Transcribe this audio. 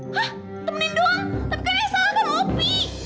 hah temenin doang tapi kan dia yang salahkan opi